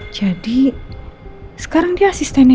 jadi sekarang dia asistennya nino